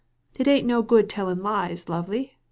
It ain't no good tellin' lies, lovey!